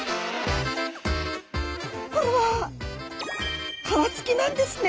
これは皮つきなんですね。